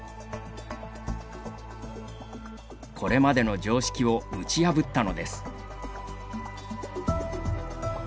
これまでの常識を打ち破ったのです。